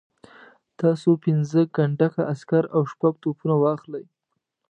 تاسو پنځه کنډکه عسکر او شپږ توپونه واخلئ.